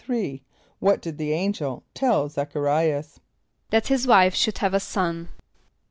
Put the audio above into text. = What did the angel tell Z[)a]ch a r[=i]´as? =That his wife should have a son.